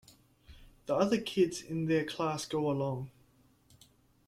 The other kids in their class go along.